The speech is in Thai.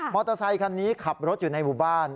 มอเตอร์ไซค์คันนี้ขับรถอยู่ในบุบัน